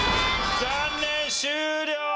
残念終了！